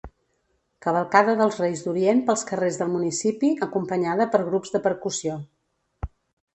Cavalcada dels Reis d'Orient pels carrers del municipi acompanyada per grups de percussió.